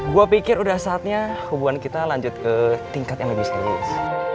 gue pikir udah saatnya hubungan kita lanjut ke tingkat yang lebih strategis